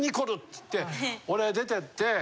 つって俺出て行って。